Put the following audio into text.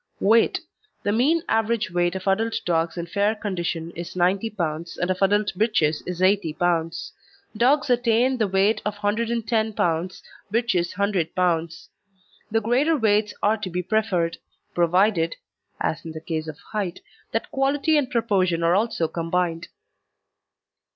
WEIGHT The mean average weight of adult dogs in fair condition is 90 pounds and of adult bitches 80 pounds. Dogs attain the weight of 110 pounds, bitches 100 pounds. The greater weights are to be preferred, provided (as in the case of height) that quality and proportion are also combined.